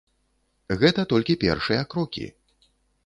Гэта толькі першыя крокі.